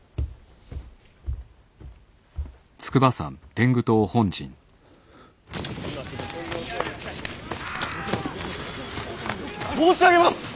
殿！申し上げます！